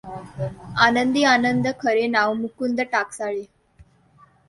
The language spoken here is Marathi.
आनंदीआनंद खरे नाव मुकुंद टाकसाळे